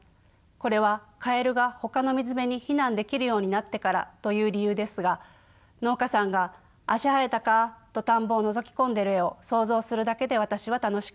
これはカエルがほかの水辺に避難できるようになってからという理由ですが農家さんが「足生えたか？」と田んぼをのぞき込んでいる絵を想像するだけで私は楽しくなります。